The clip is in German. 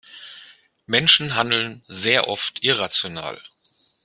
Menschen handeln sehr oft irrational.